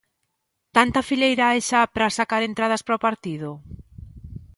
Tanta fileira hai xa para sacar entradas para o partido?